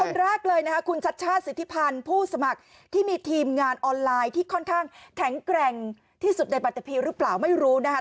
คนแรกเลยนะคะคุณชัชชาติสิทธิพันธ์ผู้สมัครที่มีทีมงานออนไลน์ที่ค่อนข้างแข็งแกร่งที่สุดในปฏิพีหรือเปล่าไม่รู้นะคะ